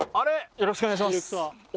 よろしくお願いします